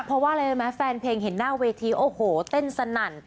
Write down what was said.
เพราะว่าแฟนเพลงเห็นหน้าเวทีเต้นสนั่น